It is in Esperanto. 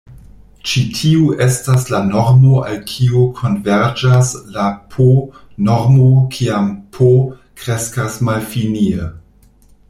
Ĉi tiu estas la normo al kiu konverĝas la "p"-normo kiam "p" kreskas malfinie.